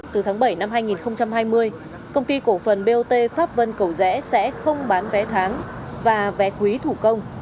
từ tháng bảy năm hai nghìn hai mươi công ty cổ phần bot pháp vân cầu rẽ sẽ không bán vé tháng và vé quý thủ công